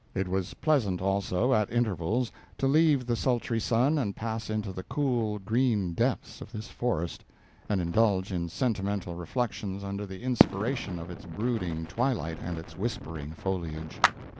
It was pleasant also, at intervals, to leave the sultry sun and pass into the cool, green depths of this forest and indulge in sentimental reflections under the inspiration of its brooding twilight and its whispering foliage.